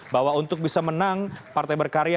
bahwa untuk bisa menang partai berkarya